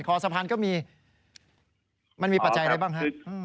สะพานก็มีมันมีปัจจัยอะไรบ้างฮะ